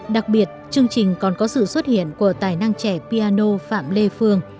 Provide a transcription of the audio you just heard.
đặc biệt chương trình còn có sự xuất hiện của tài năng trẻ piano phạm lê phương